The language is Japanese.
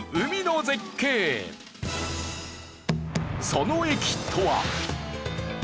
その駅とは。